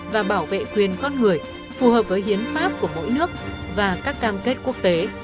và bảo vệ quyền con người phù hợp với hiến pháp của mỗi nước và các cam kết quốc tế